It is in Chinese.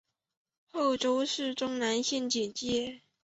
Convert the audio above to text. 贺州市钟山县简介